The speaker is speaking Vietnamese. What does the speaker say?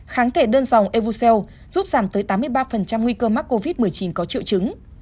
kháng thể đơn dòng evoseel giúp giảm tới tám mươi ba nguy cơ mắc covid một mươi chín có triệu chứng